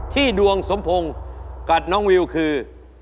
ที่ดวงสมพงศ์กับน้องวิวคือ